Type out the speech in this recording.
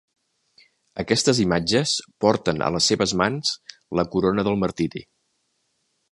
Aquestes imatges porten a les seves mans la corona del martiri.